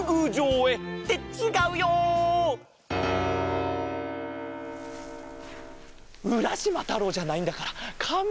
うらしまたろうじゃないんだからカメじゃないよ。